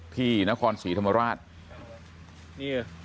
ที่นครศรีธรรมราช